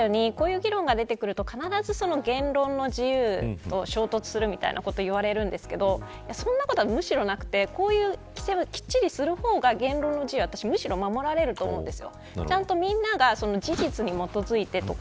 さっき武井さんがおっしゃったようにこういう議論が出てくると必ず言論の自由と衝突するみたいなことが言われるんですがそんなことは、むしろなくてこういう規制をきっちりする方が言論の自由は、むしろ守られると思うんです。